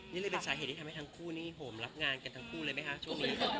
นี่เลยเป็นสาเหตุที่ทำให้ทั้งคู่นี้โหมรับงานกันทั้งคู่เลยไหมคะช่วงนี้